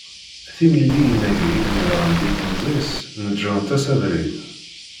Timliliyin-agi i d-yeḍṛan di temẓi-s neğṛent-as abrid.